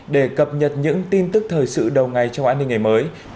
để cập nhật những tin tức thời sự đầu ngày trong an ninh ngày mới